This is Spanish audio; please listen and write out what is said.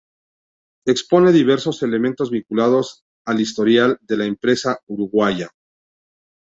Expone diversos elementos vinculados al historial de la empresa uruguaya.